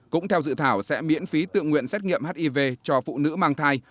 cũng theo dự thảo sẽ miễn phí tự nguyện xét nghiệm hiv cho phụ nữ mang thai